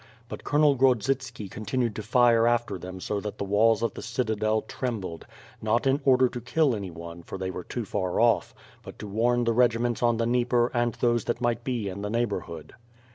But Colonel Grodzitski con tinued to fire after them so that the walls of the citadel trembled; not in order to kill anyone for they were too far off, but to warn the regiments on the Dnieper and those that might be in the neighborhood.